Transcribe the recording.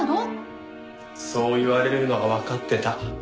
そう言われるのはわかってた。